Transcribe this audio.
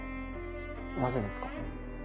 なぜですか？